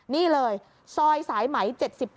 นี่เลยซอยสายไหม๗๘